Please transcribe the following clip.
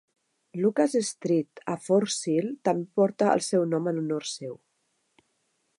Lucas Street a Fort Sill també porta el seu nom en honor seu.